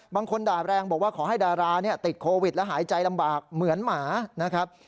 บางคนด่าแรงบอกว่าขอให้ดาราติดโควิดและหายใจลำบากเหมือนหมานะครับ